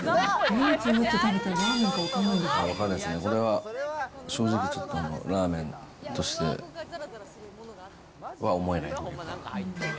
目をつぶって食べたら、分かんないですね、これは正直ちょっと、ラーメンとしては思えないというか。